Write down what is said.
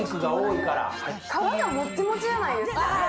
皮がもっちもちじゃないですか。